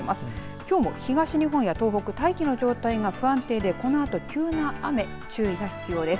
きょうも東日本や東北大気の状態が不安定でこのあと急な雨に注意が必要です。